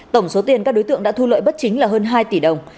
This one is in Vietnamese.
tổng số tiền các đối tượng đã thu lợi bất chính là hơn hai tỷ đồng